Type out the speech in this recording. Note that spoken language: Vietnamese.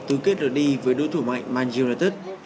tứ kết đổi đi với đối thủ mạnh man utd